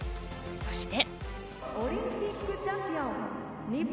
そして。